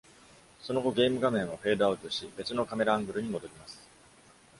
その後、ゲーム画面はフェードアウトし、別のカメラアングルに戻ります。